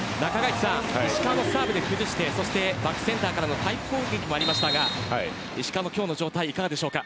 石川のサーブで崩してバックセンターからのパイプ攻撃もありましたが石川の今日の状態はいかがですか。